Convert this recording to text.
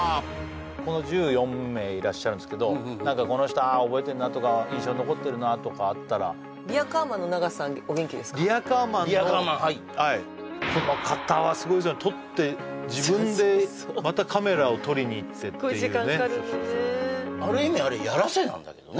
この１４名いらっしゃるんですけどこの人覚えてんなとか印象に残ってるなとかあったらリヤカーマンのリヤカーマンはいこの方はすごいですよね撮って自分でまたカメラを取りに行ってっていうねすごい時間かかるんだよね